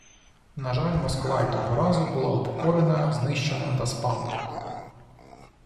На жаль, Москва і того разу була упокорена, знищена та спалена